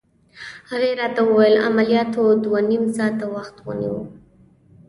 هغې راته وویل: عملياتو دوه نيم ساعته وخت ونیو.